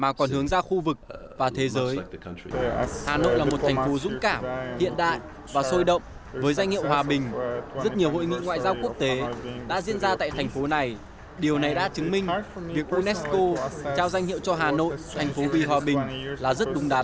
mà còn hướng ra khu vực và thế giới hà nội là một thành phố dũng cảm hiện đại và sôi động với danh hiệu hòa bình rất nhiều hội nghị ngoại giao quốc tế đã diễn ra tại thành phố này điều này đã chứng minh việc unesco trao danh hiệu cho hà nội thành phố vì hòa bình là rất đúng đắn